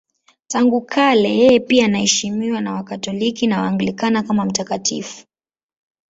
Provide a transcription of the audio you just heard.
Tangu kale yeye pia anaheshimiwa na Wakatoliki na Waanglikana kama mtakatifu.